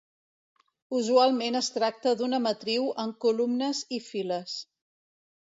Usualment es tracta d'una matriu amb columnes i files.